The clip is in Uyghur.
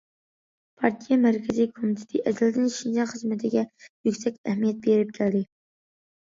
پارتىيە مەركىزىي كومىتېتى ئەزەلدىن شىنجاڭ خىزمىتىگە يۈكسەك ئەھمىيەت بېرىپ كەلدى.